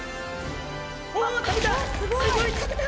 お食べた。